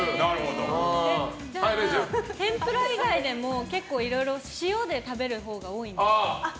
じゃあ、天ぷら以外でも結構、いろいろ塩で食べるほうが多いんですか？